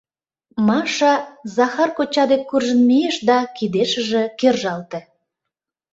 Маша Захар коча дек куржын мийыш да кидешыже кержалте: